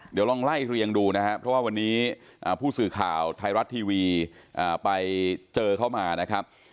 เดี๋ยวลองไล่เรียงดูนะครับเพราะว่าวันนี้ผู้สื่อข่าวไทยรัฐทีวีไปเจอเข้ามานะครับ